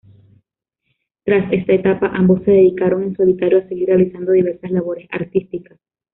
Tras esta etapa ambos se dedicaron en solitario a seguir realizando diversas labores artísticas.